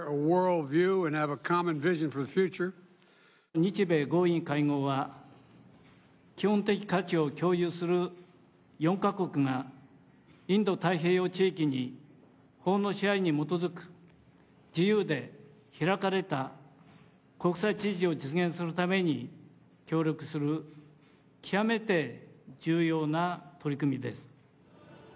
日米豪印会合は、基本的価値を共有する４か国が、インド太平洋地域に法の支配に基づく自由で開かれた国際秩序を実現するために、協力する極めて重要な取り組みです。